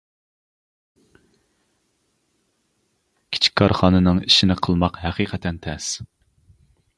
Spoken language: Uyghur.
كىچىك كارخانىنىڭ ئىشىنى قىلماق ھەقىقەتەن تەس.